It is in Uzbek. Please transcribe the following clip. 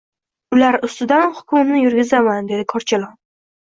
— Ular ustidan hukmimni yurgizaman, — dedi korchalon.